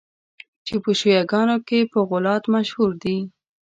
چي په شیعه ګانو کي په غُلات مشهور دي.